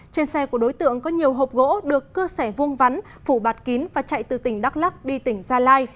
trên xe của đối tượng có nhiều hộp gỗ được cưa sẻ vuông vắn phủ bạt kín và chạy từ tỉnh đắk lắc đi tỉnh gia lai